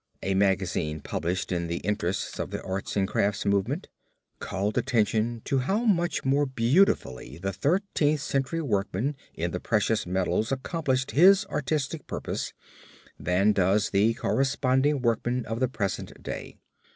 Y.), a magazine published in the interests of the Arts and Crafts movement, called attention to how much more beautifully the Thirteenth Century workman in the precious metals accomplished his artistic purpose than does the corresponding workman of the present day.